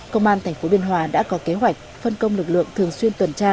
công an tp biên hòa đã có kế hoạch phân công lực lượng thường xuyên tuần tra